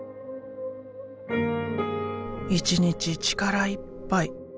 １日力いっぱい。